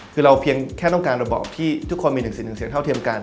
คือเราเพียงแค่ต้องการระบบที่ทุกคนมี๑๑๔สิ่งเท่าเทียมกัน